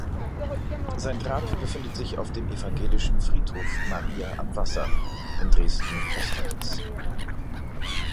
Sein Grab befindet sich auf dem evangelischen Friedhof Maria am Wasser in Dresden-Hosterwitz.